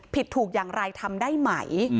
ผิดถูกอย่างไรทำได้ไหม